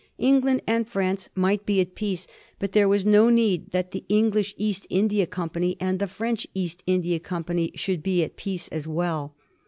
England and France might be at peace, but there was no need that the English East India Company and the French East India Company should be at peace as well.